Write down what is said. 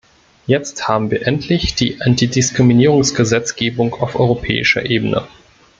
Jetzt haben wir endlich die Antidiskriminierungsgesetzgebung auf europäischer Ebene.